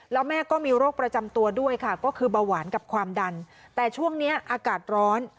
แล้วแม่ก็มีโรคประจำตัวด้วยค่ะก็คือเบาหวานกับความดันแต่ช่วงนี้อากาศร้อน